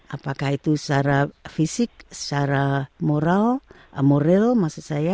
apakah itu secara fisik secara moral moral maksud saya